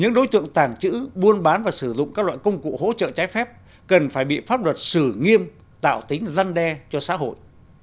những đối tượng tàng trữ buôn bán và sử dụng các loại công cụ hỗ trợ trái phép cần phải bị pháp luật xử nghiêm tạo tính răn đe cho xã hội